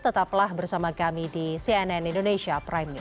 tetaplah bersama kami di cnn indonesia prime news